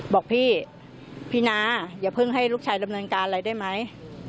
บอกพี่พี่นาอย่าเพิ่งให้ลูกชายดำเนินการอะไรได้ไหม